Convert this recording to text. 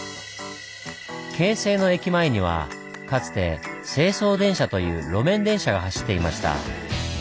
京成の駅前にはかつて成宗電車という路面電車が走っていました。